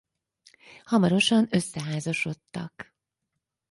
Hamarosan összeházasodtak.